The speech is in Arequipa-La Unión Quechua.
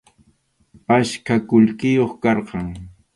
Achka qullqiyuq karqan.